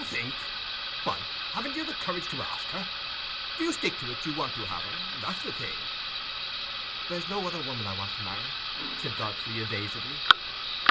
"Think! why haven't you the courage to ask her? Do you stick to it, you want to have her—that's the thing?" "There's no other woman I want to marry," said Godfrey, evasively.